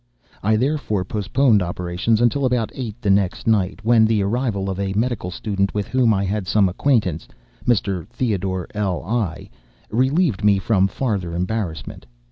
I therefore postponed operations until about eight the next night, when the arrival of a medical student with whom I had some acquaintance, (Mr. Theodore L—l,) relieved me from farther embarrassment.